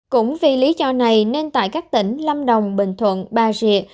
cũng vì lý do này nên tại các tỉnh lâm đồng bình thuận bà rịa